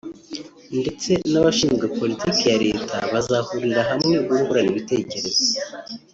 ndetse n’abashinzwe politiki ya Leta bazahurire hamwe bungurane ibitekerezo